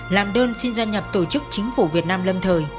làm đơn xin gia nhập tổ chức chính phủ việt nam lâm thời